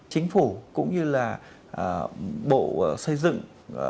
chính phủ cũng như là bộ xây dựng